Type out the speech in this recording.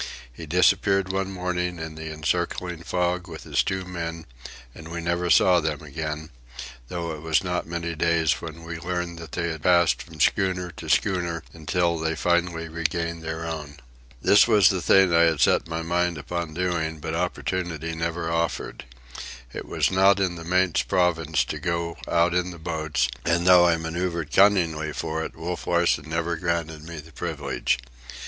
He disappeared one morning in the encircling fog with his two men, and we never saw them again, though it was not many days when we learned that they had passed from schooner to schooner until they finally regained their own. This was the thing I had set my mind upon doing, but the opportunity never offered. It was not in the mate's province to go out in the boats, and though I manœuvred cunningly for it, Wolf Larsen never granted me the privilege.